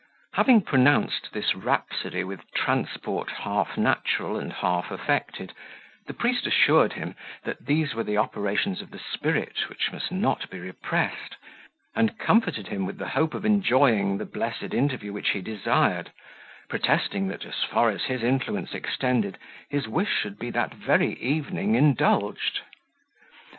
Having pronounced this rhapsody with transport half natural and half affected, the priest assured him, that these were the operations of the Spirit, which must not be repressed; and comforted him with the hope of enjoying the blessed interview which he desired, protesting, that, as far as his influence extended, his wish should be that very evening indulged.